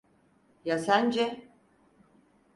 Ya sence?